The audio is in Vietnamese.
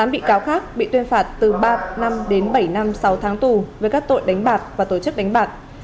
một mươi bị cáo khác bị tuyên phạt từ ba năm đến bảy năm sáu tháng tù với các tội đánh bạc và tổ chức đánh bạc